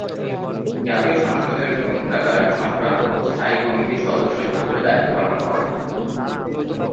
জাতীয় সংসদের গ্রন্থাগার সংক্রান্ত স্থায়ী কমিটির সদস্য হিসেবে দায়িত্ব পালন করেন।